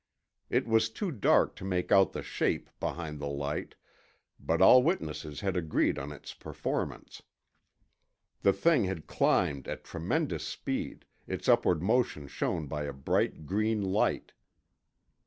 It was too dark to make out the shape behind the light, but all witnesses had agreed on its performance. The thing had climbed at tremendous speed, its upward motion shown by a bright green light.